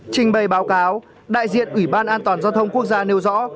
trình bày báo cáo đại diện ủy ban an toàn giao thông quốc gia nêu rõ